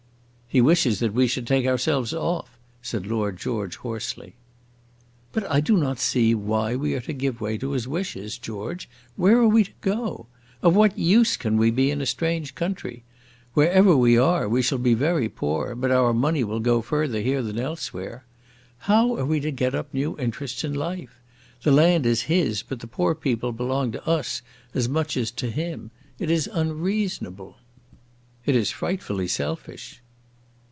"He wishes that we should take ourselves off," said Lord George, hoarsely. "But I do not see why we are to give way to his wishes. George, where are we to go? Of what use can we be in a strange country? Wherever we are we shall be very poor, but our money will go further here than elsewhere. How are we to get up new interests in life? The land is his, but the poor people belong to us as much as to him. It is unreasonable." "It is frightfully selfish."